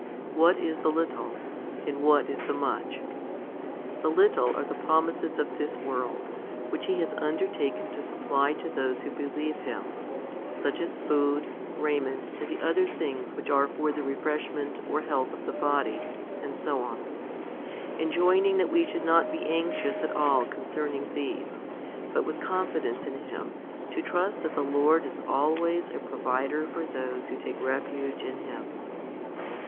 1 What is the little? and what is the much? The little are the promises of this world, which He has undertaken to supply to those who believe Him, such as food, raiment, and the other things which are for the refreshment or health of the body, and so on ; enjoining that we should not be anxious at all concerning these, but with confidence in Him to trust that the Lord is always a provider for those who take refuge in Him.